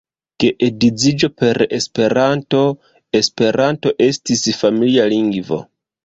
Geedziĝo per Esperanto; Esperanto estis familia lingvo.